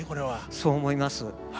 そう思います。